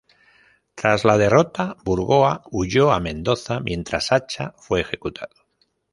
Tras la derrota, Burgoa huyó a Mendoza, mientras Acha fue ejecutado.